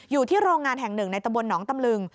อยู่ที่โรงงานแห่งหนึ่งในตำบลหนองตำลึง